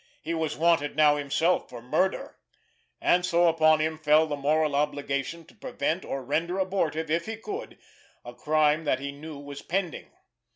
He was wanted now himself for murder, and so upon him fell the moral obligation to prevent or render abortive, if he could, a crime that he knew was pending.